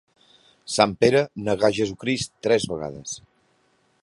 Sant Pere negà Jesucrist tres vegades.